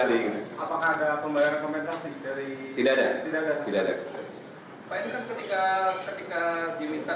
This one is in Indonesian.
pak itu kan ketika diminta dari penolong kan